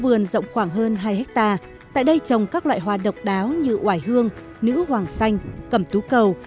vườn rộng khoảng hơn hai hectare tại đây trồng các loại hoa độc đáo như oải hương nữ hoàng xanh cẩm tú cầu